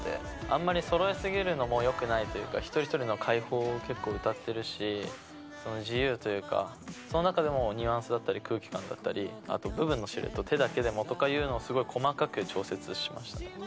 あんまりそろい過ぎるのもよくないというか、一人一人の解放を結構歌ってるし、自由というか、その中でもニュアンスだったり、空気感だったり、あと部分のシルエット、手だけでもっていうのをすごい細かく調節しました。